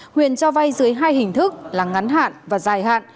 huyền cho vay dưới hai hình thức là ngắn hạn và dài hạn